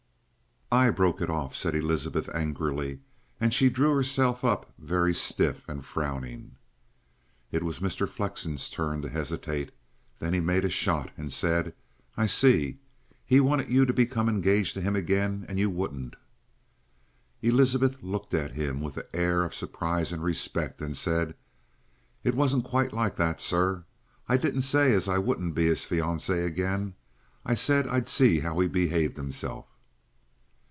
"I broke it off!" said Elizabeth angrily, and she drew herself up very stiff and frowning. It was Mr. Flexen's turn to hesitate. Then he made a shot, and said: "I see. He wanted you to become engaged to him again, and you wouldn't." Elizabeth looked at him with an air of surprise and respect, and said: "It wasn't quite like that, sir. I didn't say as I wouldn't be his fioncy again. I said I'd see how he behaved himself."